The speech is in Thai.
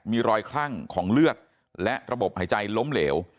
มีรอยคลั่งของเลือดและระบบหายใจล้มเหลว